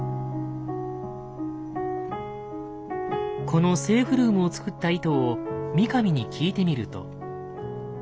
このセーフルームを作った意図を三上に聞いてみると。